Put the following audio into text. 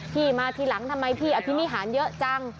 พี่มาทีหลังทำไมพี่อภินิหารเยอะจัง